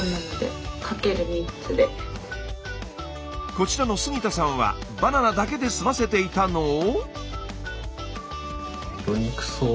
こちらの杉田さんはバナナだけで済ませていたのを。